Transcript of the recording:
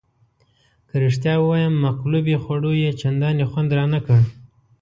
که رښتیا ووایم مقلوبې خوړو یې چندانې خوند رانه کړ.